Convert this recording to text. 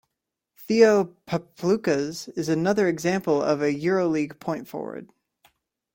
Theo Papaloukas is another example of a Euroleague point forward.